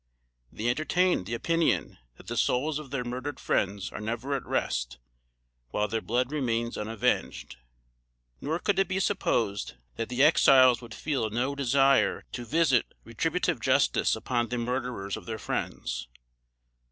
They entertain the opinion that the souls of their murdered friends are never at rest while their blood remains unavenged; nor could it be supposed that the Exiles would feel no desire to visit retributive justice upon the murderers of their friends.